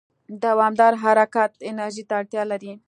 دوامداره حرکت انرژي ته اړتیا لري.